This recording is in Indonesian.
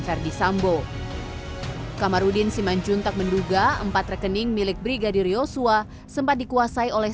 ferdi sambo kamarudin simanjun tak menduga empat rekening milik brigadir yosua sempat dikuasai oleh